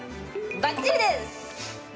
ばっちりです！